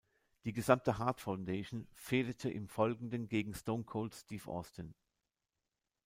Die gesamte Hart Foundation fehdete im Folgenden gegen Stone Cold Steve Austin.